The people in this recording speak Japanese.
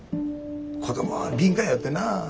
子供は敏感やよってな。